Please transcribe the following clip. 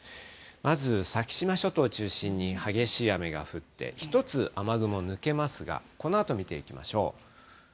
まず先島諸島を中心に激しい雨が降って、１つ雨雲抜けますが、このあと見ていきましょう。